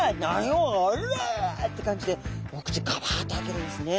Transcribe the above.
おら！」って感じでお口ガバッと開けるんですね。